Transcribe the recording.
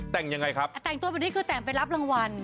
แต่งยังไงครับแต่งตัวแบบนี้คือแต่งไปรับรางวัล